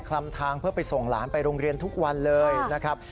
ลำทางเพื่อไปส่งหลานไปโรงเรียนทุกวันเลยนะครับ